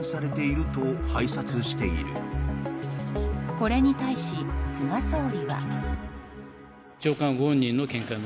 これに対し、菅総理は。